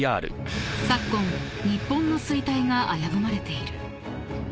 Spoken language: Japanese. ［昨今日本の衰退が危ぶまれている］